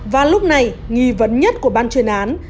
và lúc này nghi vấn nhất của ban chuyên án